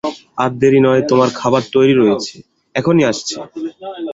আর দেরি নেই, তোমার খাবার তৈরি রয়েছে, এখনই আসছে।